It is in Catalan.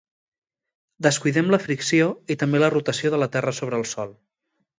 Descuidem la fricció i també la rotació de la terra sobre el sol.